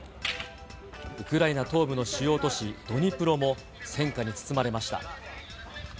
ウクライナ東部の主要都市ドニプロも、戦火に包まれました。